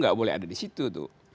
nggak boleh ada di situ tuh